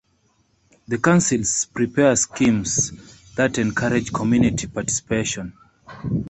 The councils prepare schemes that encourage community participation.